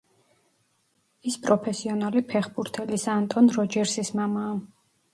ის პროფესიონალი ფეხბურთელის, ანტონ როჯერსის მამაა.